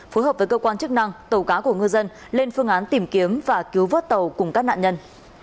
phối hợp với cơ quan chức năng tàu cá của ngư dân lên phương án tìm kiếm và cứu vớt tàu cùng các nạn nhân